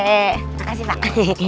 terima kasih pak